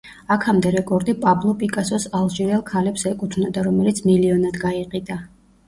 აქამდე რეკორდი პაბლო პიკასოს „ალჟირელ ქალებს“ ეკუთვნოდა, რომელიც მილიონად გაიყიდა.